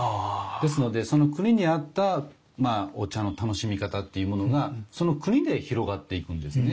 ですのでその国に合ったまあお茶の楽しみ方っていうものがその国で広がっていくんですね。